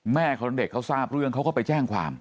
แม่ของเด็กเขาทราบเรื่องเขาก็ไปแจ้งความ